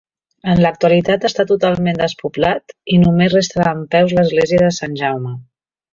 En l'actualitat està totalment despoblat i només resta dempeus l'església de Sant Jaume.